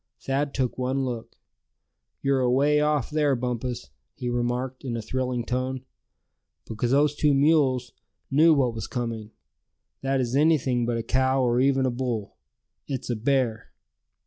Thad took one look. "You're away off there, Bumpus," he remarked, in a thrilling tone; "because those two wise mules knew what was coming. That is anything but a cow or even a bull. It's a bear!"